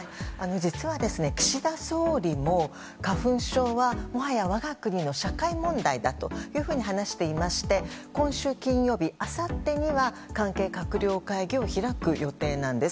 実は岸田総理も、花粉症はもはや我が国の社会問題だと話していまして今週金曜日、あさってには関係閣僚会議を開く予定なんです。